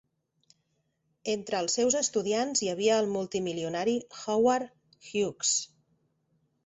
Entre els seus estudiants hi havia el multimilionari Howard Hughes.